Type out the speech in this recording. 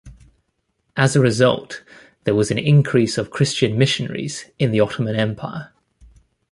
As a result, there was an increase of Christian missionaries in the Ottoman Empire.